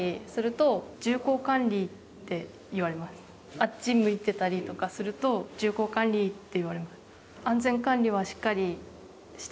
あっち向いてたりとかすると銃口管理って言われます。